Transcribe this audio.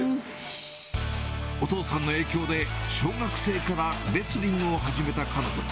お父さんの影響で、小学生からレスリングを始めた彼女。